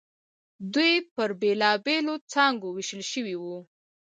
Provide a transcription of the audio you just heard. دوی پر بېلابېلو څانګو وېشل شوي وو.